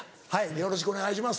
よろしくお願いします。